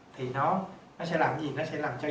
thì nó sẽ làm gì nó sẽ làm cho